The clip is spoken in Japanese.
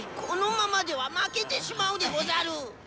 このままでは負けてしまうでござる！